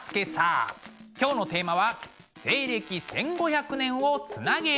今日のテーマは「西暦１５００年をつなげる」です。